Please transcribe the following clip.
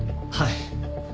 はい。